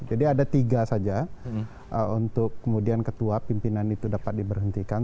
jadi ada tiga saja untuk kemudian ketua pimpinan itu dapat diberhentikan